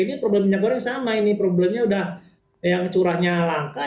ini problem minyak goreng sama ini problemnya udah yang curahnya langka